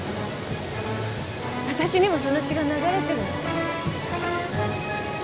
あたしにもその血が流れてるの？